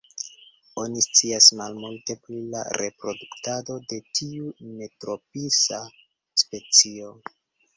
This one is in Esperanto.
Oni scias malmulte pri la reproduktado de tiu neotropisa specio.